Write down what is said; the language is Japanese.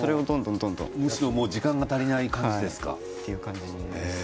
むしろ時間が足りないぐらいですか？